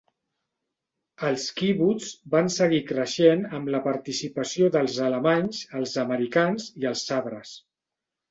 Els kibbutz van seguir creixent amb la participació dels alemanys, els americans i els sabres.